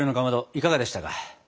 いかがでしたか？